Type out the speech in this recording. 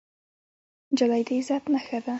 نجلۍ د عزت نښه ده.